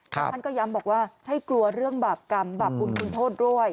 แล้วท่านก็ย้ำบอกว่าให้กลัวเรื่องบาปกรรมบาปบุญคุณโทษด้วย